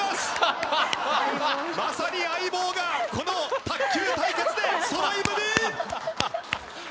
まさに『相棒』がこの卓球対決でそろい踏み！